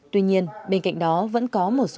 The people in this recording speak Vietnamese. tuy nhiên bên cạnh đó vẫn có một số